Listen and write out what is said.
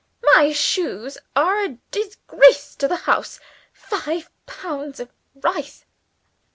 My shoes are a disgrace to the house. Five pounds of rice?